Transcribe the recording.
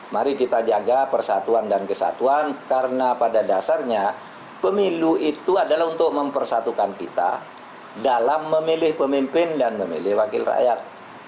mari kita jaga persatuan dan kesatuan karena pada dasarnya pemilu itu adalah untuk mempersatukan kita dalam memilih pemimpin dan memilih wakil rakyat